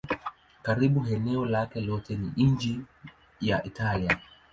Karibu eneo lake lote ni nchi ya Italia.